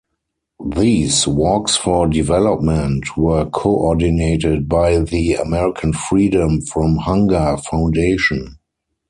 These "Walks for Development" were coordinated by the American Freedom from Hunger Foundation.